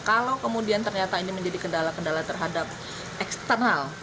kalau kemudian ternyata ini menjadi kendala kendala terhadap eksternal